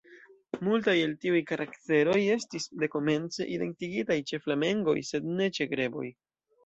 Multaj el tiuj karakteroj estis dekomence identigitaj ĉe flamengoj, sed ne ĉe greboj.